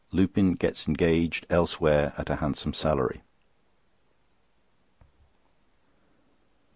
Lupin gets engaged elsewhere at a handsome salary.